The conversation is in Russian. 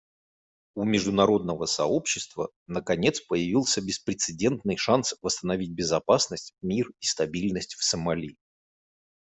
У международного сообщества, наконец, появился беспрецедентный шанс восстановить безопасность, мир и стабильность в Сомали.